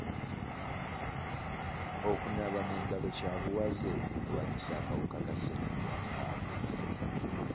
Okunaaba mu ngalo kya buwaze mu kulwanyisa akawuka Ka ssenyiga omukambwe.